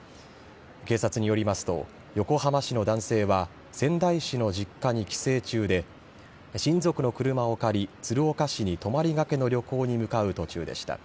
警察によりますと横浜市の男性は仙台市の実家に帰省中で親族の車を借り鶴岡市に泊まりがけの旅行に向かう途中でした。